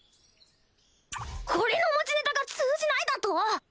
俺の持ちネタが通じないだと⁉